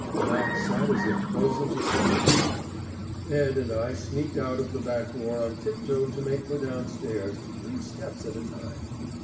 Mac sat as if frozen to stone. Ed and I sneaked out of the back door on tiptoe to make for downstairs, three steps at a time.